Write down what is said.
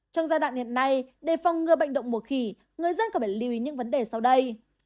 trong giai đoạn hiện nay để phòng ngừa bệnh động mùa khỉ người dân cần phải lưu ý những vấn đề sau đây